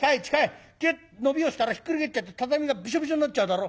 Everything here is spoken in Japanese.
キュッ伸びをしたらひっくり返っちゃって畳がビショビショになっちゃうだろ。